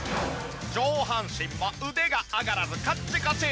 上半身も腕が上がらずカッチカチ！